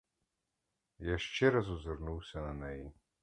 Я ще раз озирнувся на неї.